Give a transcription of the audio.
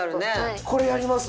これやります？